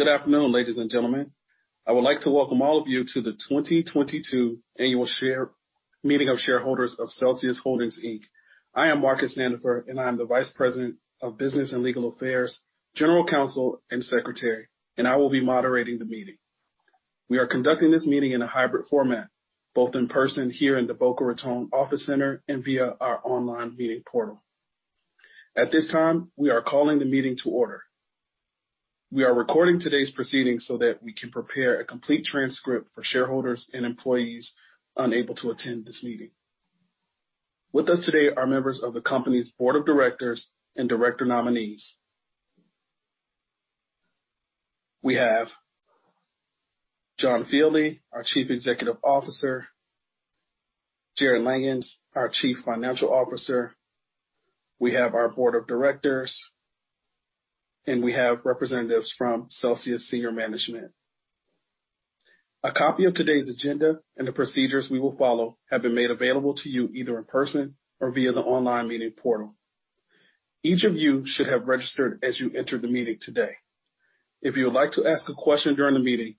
Good afternoon, ladies and gentlemen. I would like to welcome all of you to the 2022 annual meeting of shareholders of Celsius Holdings, Inc. I am Marcus Sandifer, and I am the Vice President of Business and Legal Affairs, General Counsel, and Secretary, and I will be moderating the meeting. We are conducting this meeting in a hybrid format, both in person here in the Boca Raton Office Center and via our online meeting portal. At this time, we are calling the meeting to order. We are recording today's proceedings so that we can prepare a complete transcript for shareholders and employees unable to attend this meeting. With us today are members of the company's board of directors and director nominees. We have John Fieldly, our Chief Executive Officer, Jarrod Langhans, our Chief Financial Officer. We have our board of directors, and we have representatives from Celsius senior management. A copy of today's agenda and the procedures we will follow have been made available to you either in person or via the online meeting portal. Each of you should have registered as you entered the meeting today. If you would like to ask a question during the meeting,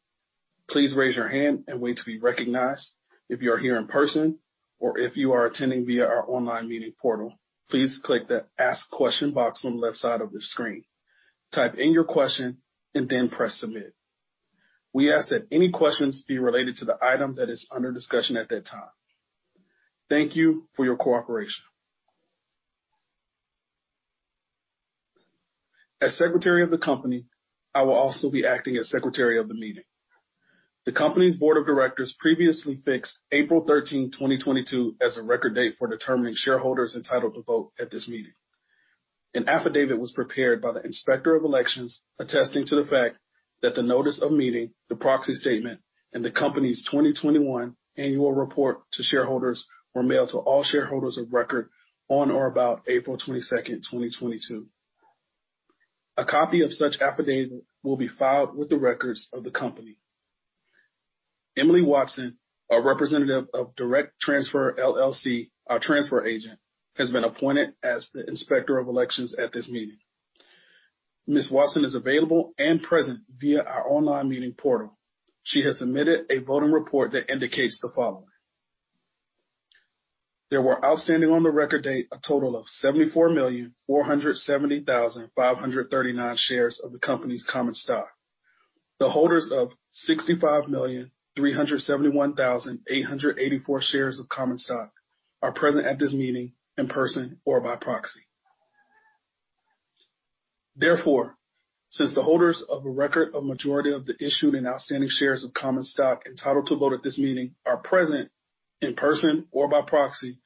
please raise your hand and wait to be recognized if you are here in person or if you are attending via our online meeting portal, please click the Ask Question box on the left side of the screen. Type in your question and then press Submit. We ask that any questions be related to the item that is under discussion at that time. Thank you for your cooperation. As secretary of the company, I will also be acting as secretary of the meeting. The company's board of directors previously fixed April 13, 2022 as the record date for determining shareholders entitled to vote at this meeting. An affidavit was prepared by the Inspector of Elections attesting to the fact that the notice of meeting, the proxy statement, and the company's 2021 annual report to shareholders were mailed to all shareholders of record on or about April 22nd, 2022. A copy of such affidavit will be filed with the records of the company. Emily Watson, a representative of Direct Transfer LLC, our transfer agent, has been appointed as the Inspector of Elections at this meeting. Ms. Watson is available and present via our online meeting portal. She has submitted a voting report that indicates the following. There were outstanding on the record date, a total of 74,470,539 shares of the company's common stock. The holders of 65,371,884 shares of common stock are present at this meeting in person or by proxy. Therefore, since the holders of a record of majority of the issued and outstanding shares of common stock entitled to vote at this meeting are present in person or by proxy,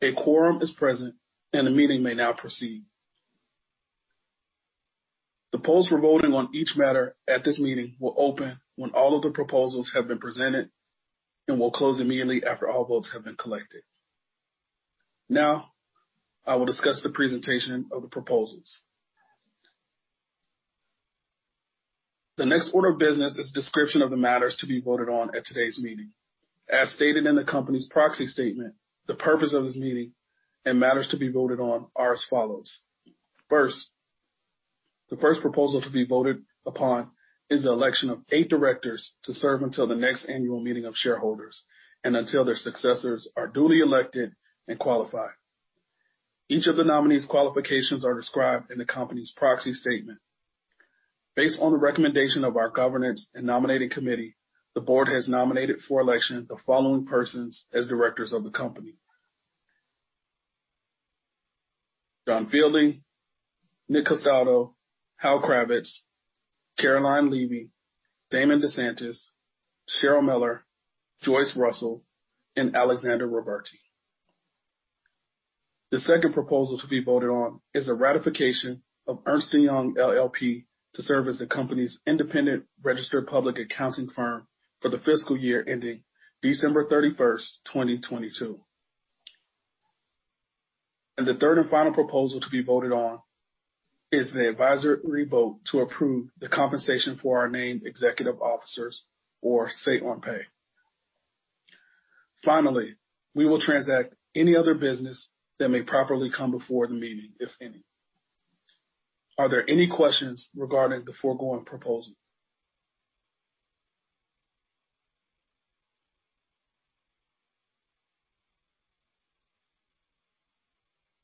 a quorum is present, and the meeting may now proceed. The polls for voting on each matter at this meeting will open when all of the proposals have been presented and will close immediately after all votes have been collected. Now, I will discuss the presentation of the proposals. The next order of business is description of the matters to be voted on at today's meeting. As stated in the company's proxy statement, the purpose of this meeting and matters to be voted on are as follows. First, the first proposal to be voted upon is the election of eight directors to serve until the next annual meeting of shareholders and until their successors are duly elected and qualified. Each of the nominees' qualifications are described in the company's proxy statement. Based on the recommendation of our governance and nominating committee, the board has nominated for election the following persons as directors of the company. John Fieldly, Nick Castaldo, Hal Kravitz, Caroline Levy, Damon DeSantis, Cheryl Miller, Joyce Russell, and Alexandre Ruberti. The second proposal to be voted on is a ratification of Ernst & Young LLP to serve as the company's independent registered public accounting firm for the fiscal year ending December 31st, 2022. The third and final proposal to be voted on is the advisory vote to approve the compensation for our named executive officers or say on pay. Finally, we will transact any other business that may properly come before the meeting, if any. Are there any questions regarding the foregoing proposal?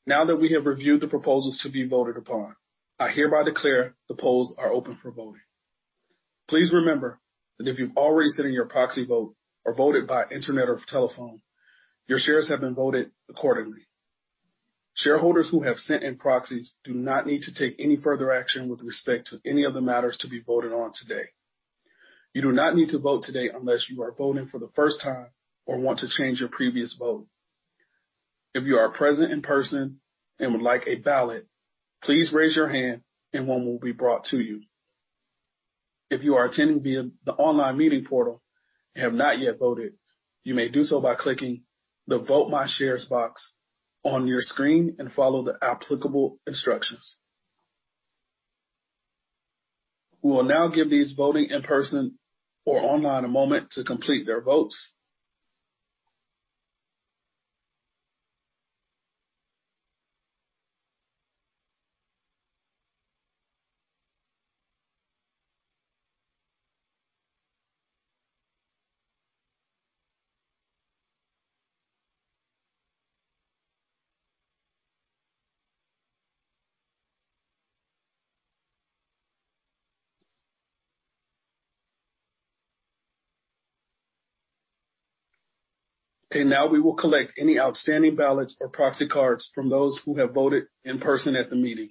Now that we have reviewed the proposals to be voted upon, I hereby declare the polls are open for voting. Please remember that if you've already sent in your proxy vote or voted by internet or telephone, your shares have been voted accordingly. Shareholders who have sent in proxies do not need to take any further action with respect to any of the matters to be voted on today. You do not need to vote today unless you are voting for the first time or want to change your previous vote. If you are present in person and would like a ballot, please raise your hand and one will be brought to you. If you are attending via the online meeting portal and have not yet voted, you may do so by clicking the Vote My Shares box on your screen and follow the applicable instructions. We will now give these voting in person or online a moment to complete their votes. Okay. Now we will collect any outstanding ballots or proxy cards from those who have voted in person at the meeting.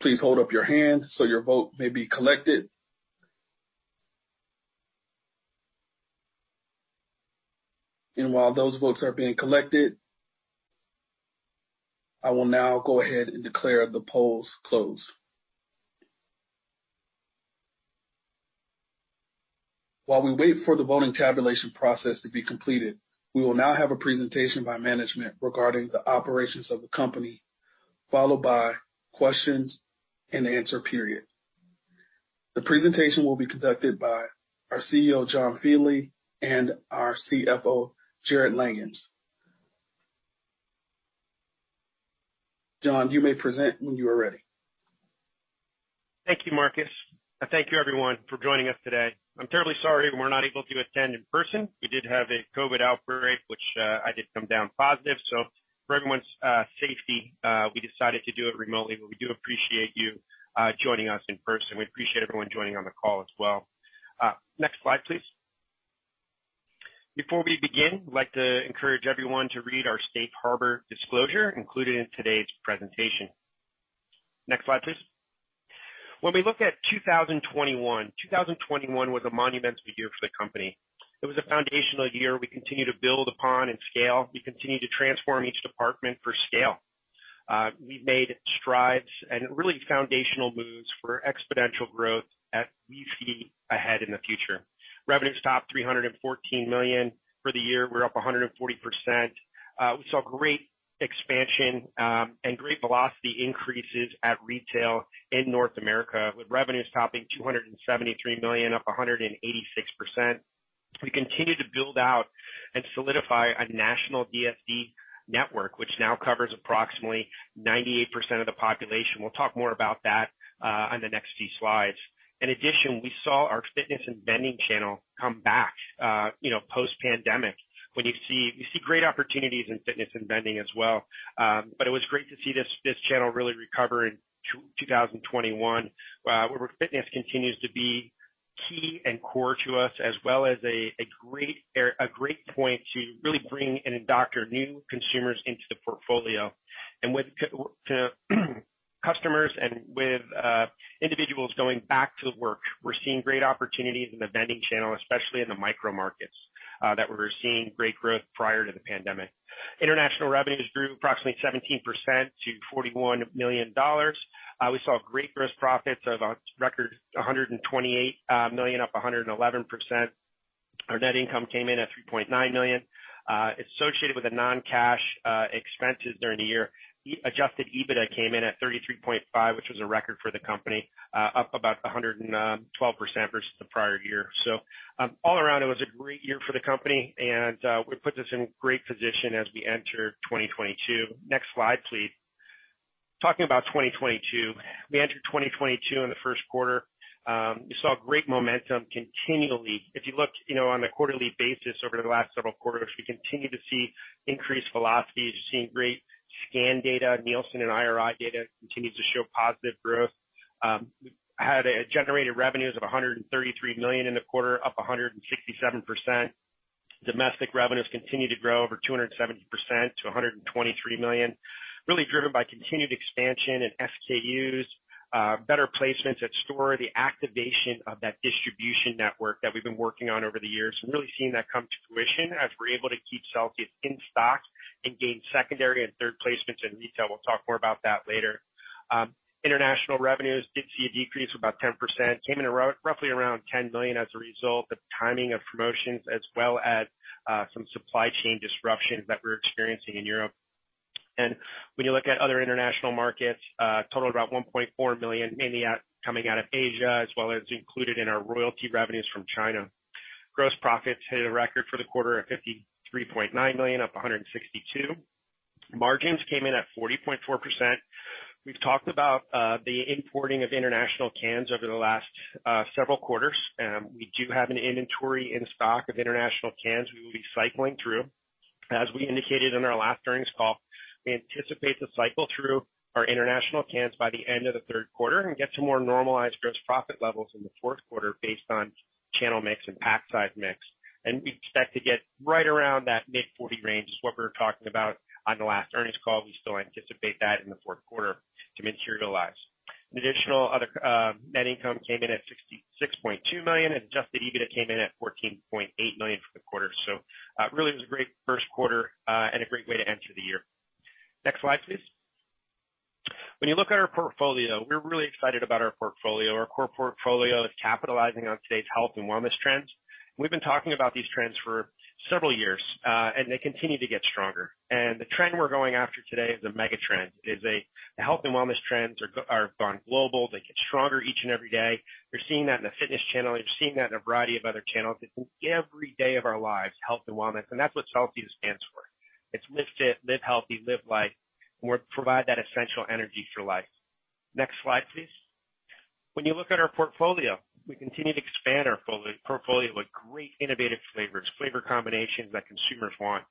Please hold up your hand so your vote may be collected. While those votes are being collected, I will now go ahead and declare the polls closed. While we wait for the voting tabulation process to be completed, we will now have a presentation by management regarding the operations of the company, followed by Q&A period. The presentation will be conducted by our CEO, John Fieldly, and our CFO, Jarrod Langhans. John, you may present when you are ready. Thank you, Marcus, and thank you everyone for joining us today. I'm terribly sorry we're not able to attend in person. We did have a COVID outbreak, which, I did come down positive. So for everyone's safety, we decided to do it remotely. But we do appreciate you joining us in person. We appreciate everyone joining on the call as well. Next slide, please. Before we begin, we'd like to encourage everyone to read our safe harbor disclosure included in today's presentation. Next slide, please. When we look at 2021 was a monumental year for the company. It was a foundational year we continue to build upon and scale. We continue to transform each department for scale. We've made strides and really foundational moves for exponential growth as we see ahead in the future. Revenues topped $314 million. For the year, we're up 140%. We saw great expansion and great velocity increases at retail in North America, with revenues topping $273 million, up 186%. We continue to build out and solidify a national DSD network, which now covers approximately 98% of the population. We'll talk more about that on the next few slides. In addition, we saw our fitness and vending channel come back, you know, post-pandemic. You see great opportunities in fitness and vending as well. It was great to see this channel really recover in 2021, where fitness continues to be key and core to us as well as a great point to really bring and indoctrinate new consumers into the portfolio. With to customers and with individuals going back to work, we're seeing great opportunities in the vending channel, especially in the micro markets that we were seeing great growth prior to the pandemic. International revenues grew approximately 17% to $41 million. We saw great gross profits of a record $128 million, up 111%. Our net income came in at $3.9 million associated with the non-cash expenses during the year. Adjusted EBITDA came in at 33.5, which was a record for the company, up about 112% versus the prior year. All around it was a great year for the company, and we're in great position as we enter 2022. Next slide, please. Talking about 2022. We entered 2022 in the Q1. We saw great momentum continually. If you look, you know, on a quarterly basis over the last several quarters, we continue to see increased velocities. You're seeing great scan data. Nielsen and IRI data continues to show positive growth. We generated revenues of $133 million in the quarter, up 167%. Domestic revenues continued to grow over 270% to $123 million, really driven by continued expansion in SKUs, better placements at stores, the activation of that distribution network that we've been working on over the years, and really seeing that come to fruition as we're able to keep shelves in stock and gain secondary and third placements in retail. We'll talk more about that later. International revenues did see a decrease of about 10%, came in roughly around $10 million as a result of the timing of promotions as well as some supply chain disruptions that we're experiencing in Europe. When you look at other international markets, total of about $1.4 million, mainly coming out of Asia, as well as included in our royalty revenues from China. Gross profits hit a record for the quarter of $53.9 million, up 162%. Margins came in at 40.4%. We've talked about the importing of international cans over the last several quarters. We do have an inventory in stock of international cans we will be cycling through. As we indicated in our last earnings call, we anticipate to cycle through our international cans by the end of the Q3 and get to more normalized gross profit levels in the Q4 based on channel mix and pack size mix. We expect to get right around that mid-40% range is what we were talking about on the last earnings call. We still anticipate that in the Q1 to materialize. Additional other net income came in at $66.2 million, adjusted EBITDA came in at $14.8 million for the quarter. Really it was a great Q1, and a great way to enter the year. Next slide, please. When you look at our portfolio, we're really excited about our portfolio. Our core portfolio is capitalizing on today's health and wellness trends. We've been talking about these trends for several years, and they continue to get stronger. The trend we're going after today is a mega trend. The health and wellness trends are gone global. They get stronger each and every day. We're seeing that in the fitness channel. We're seeing that in a variety of other channels. It's in every day of our lives, health and wellness, and that's what Celsius stands for. It's live fit, live healthy, live life, and we provide that essential energy for life. Next slide, please. When you look at our portfolio, we continue to expand our portfolio with great innovative flavors, flavor combinations that consumers want.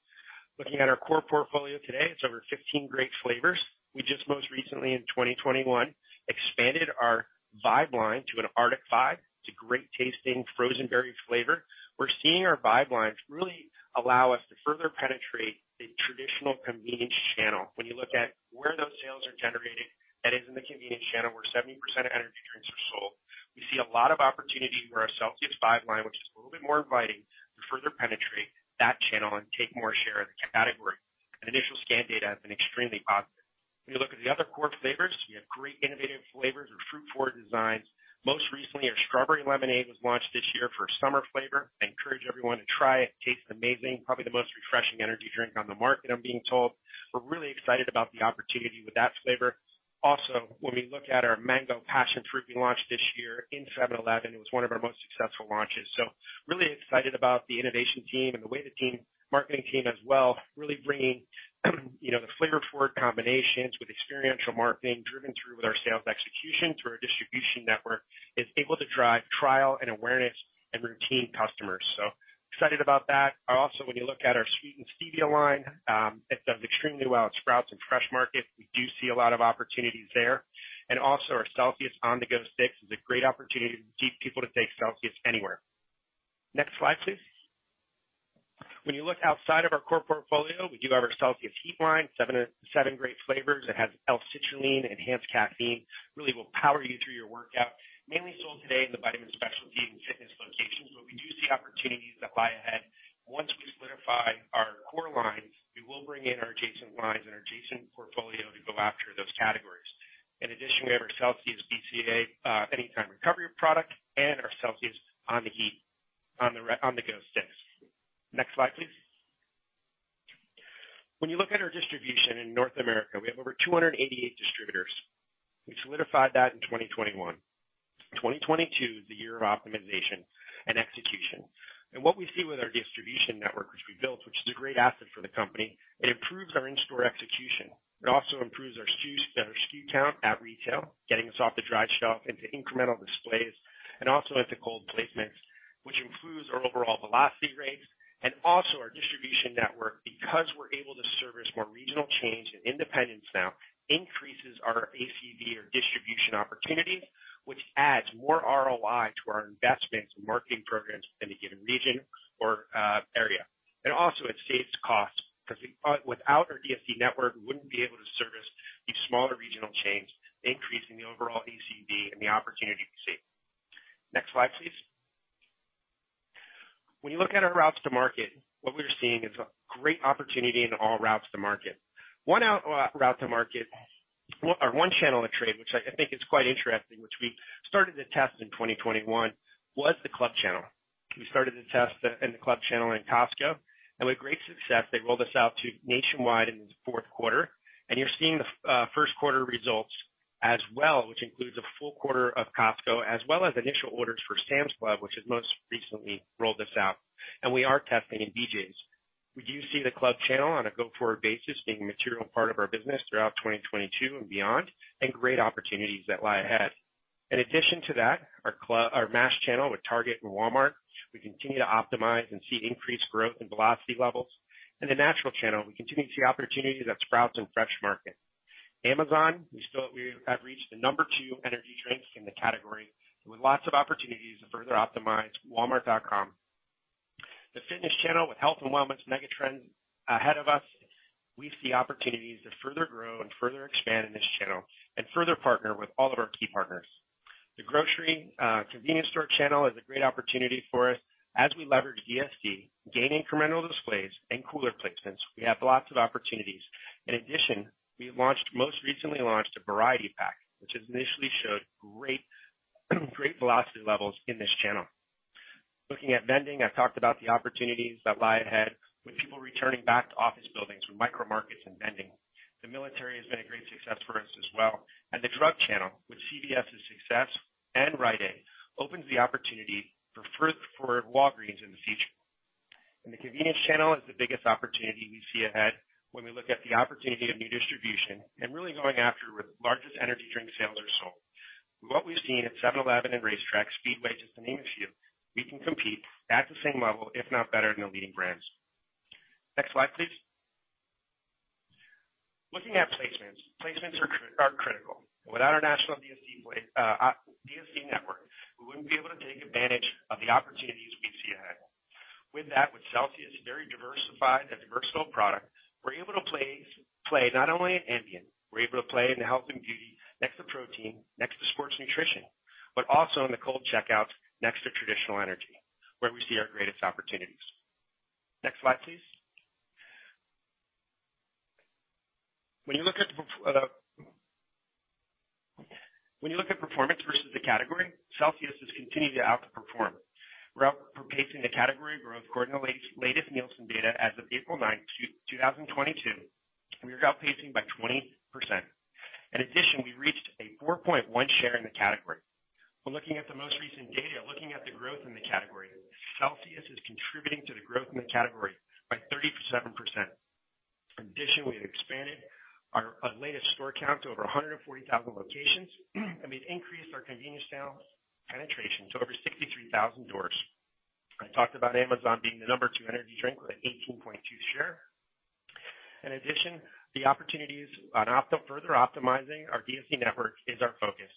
Looking at our core portfolio today, it's over 15 great flavors. We just most recently in 2021 expanded our VIBE line to an Arctic Vibe. It's a great tasting frozen berry flavor. We're seeing our VIBE lines really allow us to further penetrate the traditional convenience channel. When you look at where those sales are generated, that is in the convenience channel where 70% of energy drinks are sold. We see a lot of opportunity where our Celsius VIBE line, which is a little bit more inviting to further penetrate that channel and take more share of the category. Initial scan data has been extremely positive. When you look at the other core flavors, we have great innovative flavors with fruit forward designs. Most recently, our strawberry lemonade was launched this year for summer flavor. I encourage everyone to try it. It tastes amazing. Probably the most refreshing energy drink on the market, I'm being told. We're really excited about the opportunity with that flavor. Also, when we look at our mango passion fruit we launched this year in 7-Eleven, it was one of our most successful launches. Really excited about the innovation team and the way the team, marketing team as well, really bringing, you know, the flavor forward combinations with experiential marketing driven through with our sales execution, through our distribution network, is able to drive trial and awareness and routine customers. Excited about that. Also, when you look at our Sweetened with Stevia line, it does extremely well at Sprouts and Fresh Market. We do see a lot of opportunities there. Also, our Celsius On-The-Go sticks is a great opportunity to get people to take Celsius anywhere. Next slide, please. When you look outside of our core portfolio, we do have our Celsius HEAT line, seven great flavors that has L-citrulline, enhanced caffeine, really will power you through your workout. Mainly sold today in the vitamin specialty and fitness locations. We do see opportunities that lie ahead. Once we solidify our core lines, we will bring in our adjacent lines and adjacent portfolio to go after those categories. In addition, we have our Celsius BCAA Energy and our Celsius HEAT On-The-Go sticks. Next slide, please. When you look at our distribution in North America, we have over 288 distributors. We solidified that in 2021. 2022 is the year of optimization and execution. What we see with our distribution network, which we built, which is a great asset for the company, it improves our in-store execution. It also improves our SKU, our SKU count at retail, getting us off the dry shelf into incremental displays and also into cold placements, which improves our overall velocity rates. Also our distribution network, because we're able to service more regional chains and independents now, increases our ACV or distribution opportunity, which adds more ROI to our investments in marketing programs in a given region or area. Also it saves costs because without our DSD network, we wouldn't be able to service these smaller regional chains, increasing the overall ACV and the opportunity we see. Next slide, please. When you look at our routes to market, what we're seeing is a great opportunity in all routes to market. One out, route to market or one channel to trade, which I think is quite interesting, which we started to test in 2021, was the club channel. We started to test in the club channel in Costco, and with great success they rolled us out to nationwide in the Q4. You're seeing the Q1 results as well, which includes a full quarter of Costco as well as initial orders for Sam's Club, which has most recently rolled us out. We are testing in BJ's. We do see the club channel on a go-forward basis, being a material part of our business throughout 2022 and beyond, and great opportunities that lie ahead. In addition to that, our mass channel with Target and Walmart, we continue to optimize and see increased growth in velocity levels. In the natural channel, we continue to see opportunities at Sprouts and Fresh Market. Amazon, we have reached the number two energy drink in the category with lots of opportunities to further optimize Walmart.com. The fitness channel with health and wellness megatrend ahead of us, we see opportunities to further grow and further expand in this channel and further partner with all of our key partners. The grocery, convenience store channel is a great opportunity for us as we leverage DSD, gain incremental displays and cooler placements. We have lots of opportunities. In addition, we most recently launched a variety pack, which has initially showed great velocity levels in this channel. Looking at vending, I've talked about the opportunities that lie ahead with people returning back to office buildings with micro markets and vending. The military has been a great success for us as well. The drug channel, with CVS's success and Rite Aid, opens the opportunity for further forward Walgreens in the future. The convenience channel is the biggest opportunity we see ahead when we look at the opportunity of new distribution and really going after where the largest energy drink sales are sold. What we've seen at 7-Eleven and RaceTrac, Speedway, just to name a few, we can compete at the same level, if not better than the leading brands. Next slide, please. Looking at placements. Placements are critical. Without our national DSD network, we wouldn't be able to take advantage of the opportunities we see ahead. With that, with Celsius very diversified and diverse product, we're able to play not only in ambient, we're able to play in the health and beauty next to protein, next to sports nutrition, but also in the cold checkout next to traditional energy, where we see our greatest opportunities. Next slide, please. When you look at performance versus the category, Celsius has continued to outperform. We're outpacing the category growth according to latest Nielsen data. As of April 9, 2022, we are outpacing by 20%. In addition, we reached a 4.1 share in the category. When looking at the most recent data, looking at the growth in the category, Celsius is contributing to the growth in the category by 37%. In addition, we have expanded our latest store count to over 140,000 locations and we've increased our convenience channel penetration to over 63,000 doors. I talked about Amazon being the number two energy drink with 18.2 share. In addition, the opportunities on further optimizing our DSD network is our focus.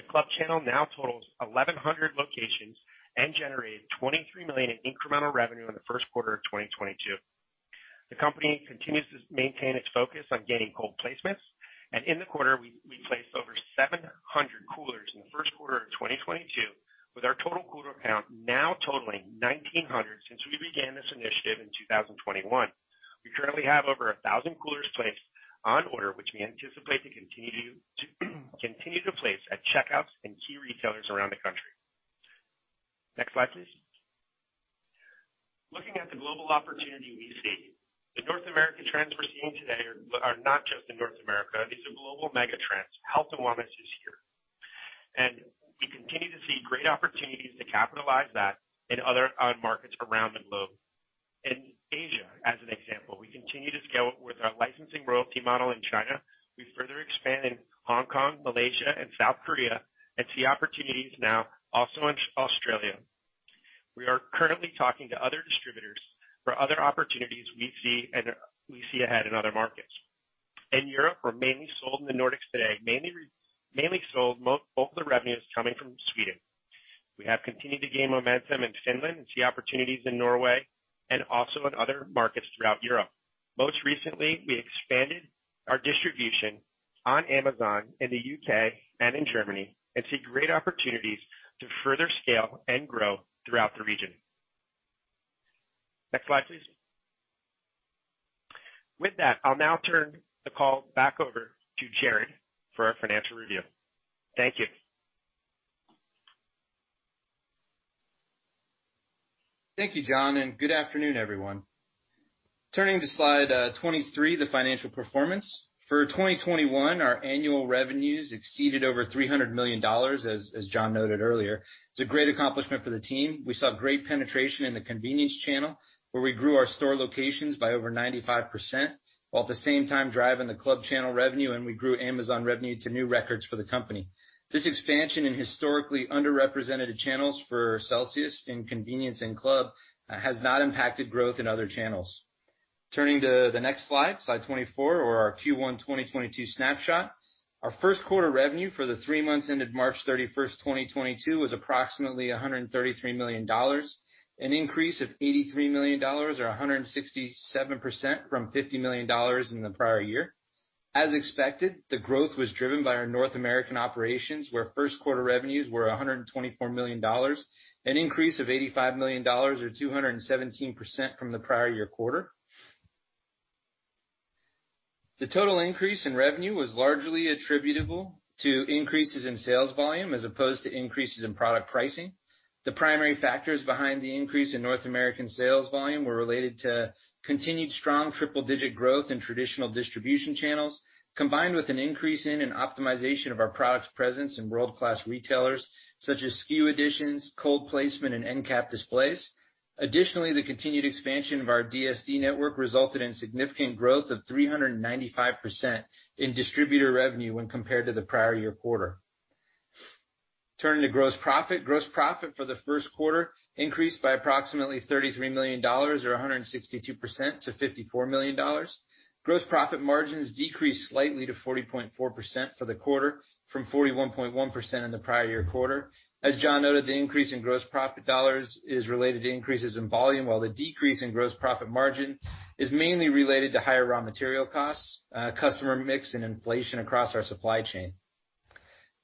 The club channel now totals 1,100 locations and generated $23 million in incremental revenue in the Q1 of 2022. The company continues to maintain its focus on gaining cold placements, and in the quarter, we placed over 700 coolers in the Q1 of 2022, with our total cooler count now totaling 1,900 since we began this initiative in 2021. We currently have over 1,000 coolers placed on order, which we anticipate to continue to place at checkouts and key retailers around the country. Next slide, please. Looking at the global opportunity we see, the North American trends we're seeing today are not just in North America, these are global mega trends. Health and wellness is here, and we continue to see great opportunities to capitalize that on markets around the globe. In Asia, as an example, we continue to scale with our licensing royalty model in China. We further expand in Hong Kong, Malaysia, and South Korea, and see opportunities now also in Australia. We are currently talking to other distributors for other opportunities we see ahead in other markets. In Europe, we're mainly sold in the Nordics today, mostly revenues coming from Sweden. We have continued to gain momentum in Finland and see opportunities in Norway and also in other markets throughout Europe. Most recently, we expanded our distribution on Amazon in the U.K. and in Germany, and see great opportunities to further scale and grow throughout the region. Next slide, please. With that, I'll now turn the call back over to Jarrod for our financial review. Thank you. Thank you, John, and good afternoon, everyone. Turning to slide 23, the financial performance. For 2021, our annual revenues exceeded $300 million, as John noted earlier. It's a great accomplishment for the team. We saw great penetration in the convenience channel, where we grew our store locations by over 95%, while at the same time driving the club channel revenue, and we grew Amazon revenue to new records for the company. This expansion in historically underrepresented channels for Celsius in convenience and club has not impacted growth in other channels. Turning to the next slide 24, our Q1 2022 snapshot. Our Q1 revenue for the three months ended March 31, 2022 was approximately $133 million, an increase of $83 million or 167% from $50 million in the prior year. As expected, the growth was driven by our North American operations, where Q1 revenues were $124 million, an increase of $85 million or 217% from the prior year quarter. The total increase in revenue was largely attributable to increases in sales volume as opposed to increases in product pricing. The primary factors behind the increase in North American sales volume were related to continued strong triple-digit growth in traditional distribution channels, combined with an increase in and optimization of our products presence in world-class retailers such as SKU additions, cold placement, and endcap displays. Additionally, the continued expansion of our DSD network resulted in significant growth of 395% in distributor revenue when compared to the prior year quarter. Turning to gross profit. Gross profit for the Q1 increased by approximately $33 million or 162% to $54 million. Gross profit margins decreased slightly to 40.4% for the quarter from 41.1% in the prior year quarter. As John noted, the increase in gross profit dollars is related to increases in volume, while the decrease in gross profit margin is mainly related to higher raw material costs, customer mix and inflation across our supply chain.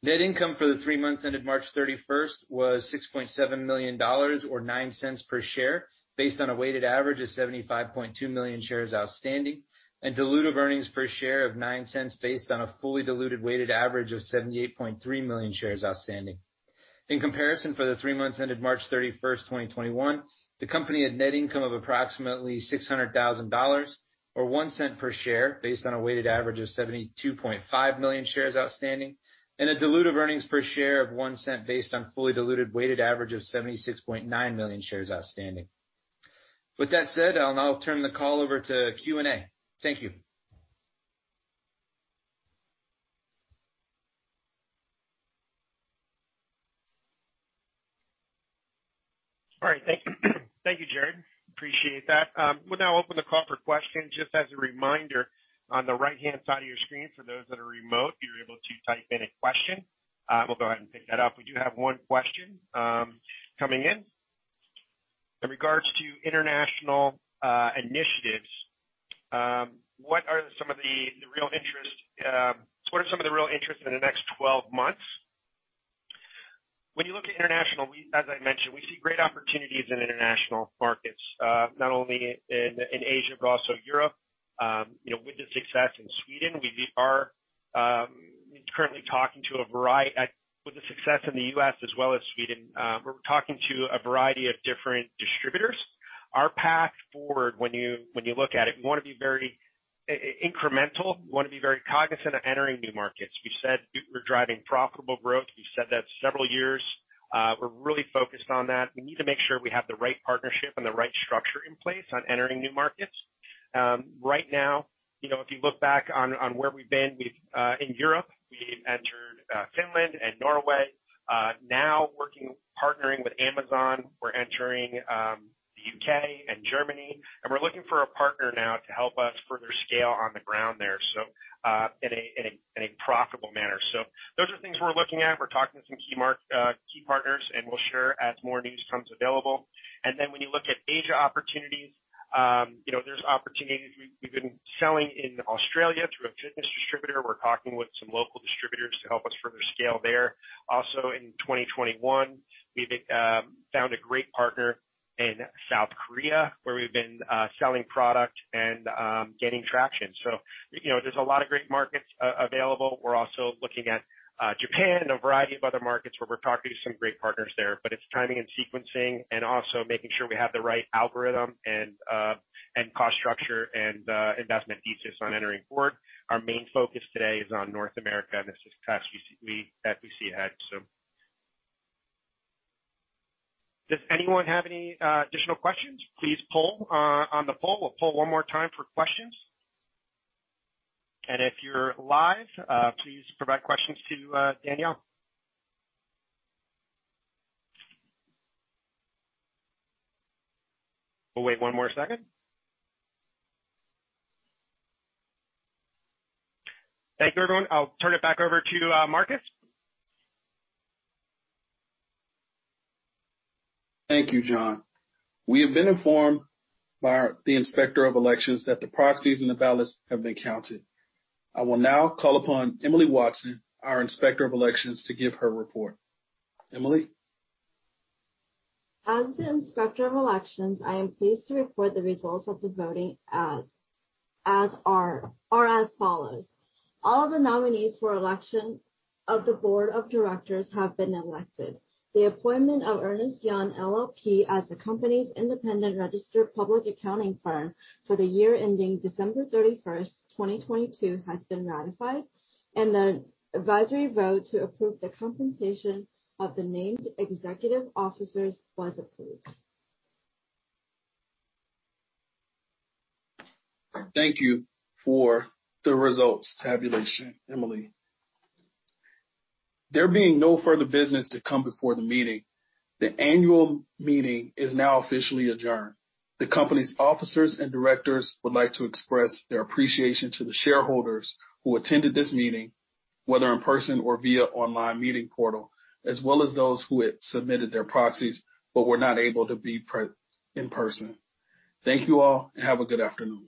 Net income for the three months ended March 31st was $6.7 million or $0.09 per share based on a weighted average of 75.2 million shares outstanding, and diluted earnings per share of $0.09 based on a fully diluted weighted average of 78.3 million shares outstanding. In comparison, for the three months ended March 31st, 2021, the company had net income of approximately $600,000 or $0.01 per share based on a weighted average of 72.5 million shares outstanding, and a diluted earnings per share of $0.01 based on fully diluted weighted average of 76.9 million shares outstanding. With that said, I'll now turn the call over to Q&A. Thank you. All right. Thank you, Jarrod. Appreciate that. We'll now open the call for questions. Just as a reminder, on the right-hand side of your screen, for those that are remote, you're able to type in a question. We'll go ahead and pick that up. We do have one question coming in. In regards to international initiatives, what are some of the real interests in the next 12 months? When you look at international, as I mentioned, we see great opportunities in international markets, not only in Asia, but also Europe. You know, with the success in the U.S. as well as Sweden, we're talking to a variety of different distributors. Our path forward, when you look at it, we wanna be very incremental. We wanna be very cognizant of entering new markets. We've said we're driving profitable growth. We've said that several years. We're really focused on that. We need to make sure we have the right partnership and the right structure in place on entering new markets. Right now, you know, if you look back on where we've been, in Europe, we entered Finland and Norway. Now partnering with Amazon, we're entering the U.K and Germany, and we're looking for a partner now to help us further scale on the ground there, in a profitable manner. Those are things we're looking at. We're talking to some key partners, and we'll share as more news comes available. When you look at Asia opportunities, you know, there's opportunities. We've been selling in Australia through a fitness distributor. We're talking with some local distributors to help us further scale there. Also in 2021, we've found a great partner in South Korea, where we've been selling product and getting traction. You know, there's a lot of great markets available. We're also looking at Japan and a variety of other markets where we're talking to some great partners there. It's timing and sequencing and also making sure we have the right algorithm and cost structure and investment thesis on entering forward. Our main focus today is on North America, and this is the task that we see ahead. Does anyone have any additional questions? Please call on the phone. We'll poll one more time for questions. If you're live, please provide questions to Danielle. We'll wait one more second. Thank you, everyone. I'll turn it back over to Marcus. Thank you, John. We have been informed by the Inspector of Elections that the proxies and the ballots have been counted. I will now call upon Emily Watson, our Inspector of Elections, to give her report. Emily. As the Inspector of Elections, I am pleased to report the results of the voting as follows. All the nominees for election of the board of directors have been elected. The appointment of Ernst & Young LLP as the company's independent registered public accounting firm for the year ending December 31st, 2022, has been ratified, and the advisory vote to approve the compensation of the named executive officers was approved. Thank you for the results tabulation, Emily. There being no further business to come before the meeting, the annual meeting is now officially adjourned. The company's officers and directors would like to express their appreciation to the shareholders who attended this meeting, whether in person or via online meeting portal, as well as those who had submitted their proxies but were not able to be in person. Thank you all, and have a good afternoon.